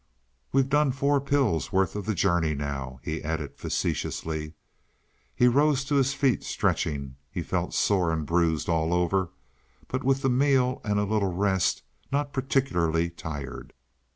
"We've done four pills' worth of the journey anyway," he added facetiously. He rose to his feet, stretching. He felt sore and bruised all over, but with the meal and a little rest, not particularly tired.